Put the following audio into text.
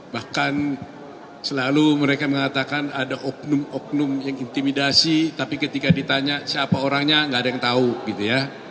bahkan selalu mereka mengatakan ada oknum oknum yang intimidasi tapi ketika ditanya siapa orangnya nggak ada yang tahu gitu ya